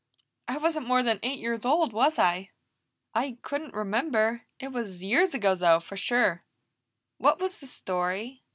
I wasn't more than eight years old, was I?" "I couldn't remember. It was years ago, though, for sure." "What was the story?"